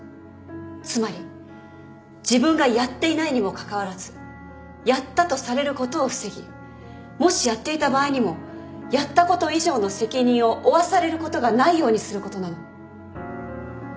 つまり自分がやっていないにもかかわらずやったとされることを防ぎもしやっていた場合にもやったこと以上の責任を負わされることがないようにすることなの。